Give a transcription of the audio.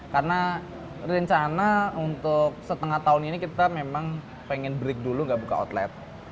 karena rencana untuk setengah tahun ini kita memang pengen break dulu nggak buka outlet